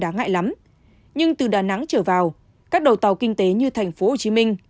nói lắm nhưng từ đà nẵng trở vào các đầu tàu kinh tế như thành phố hồ chí minh